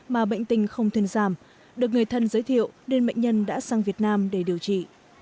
mà bệnh tình không thuyền giảm được người thân giới thiệu nên bệnh nhân đã sang việt nam để điều trị